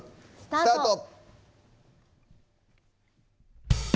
スタート。